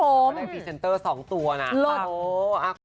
ก็ได้พรีเซนเตอร์๒ตัวนะครับ